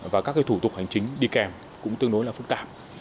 và các thủ tục hành chính đi kèm cũng tương đối là phức tạp